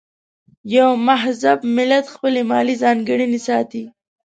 یو مهذب ملت خپلې ملي ځانګړنې ساتي.